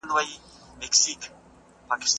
موټر په خاورو لړلي کوڅه کې په ډېرې تېزۍ سره روان و.